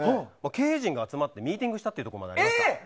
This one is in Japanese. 経営陣が集まってミーティングしたというところもありました。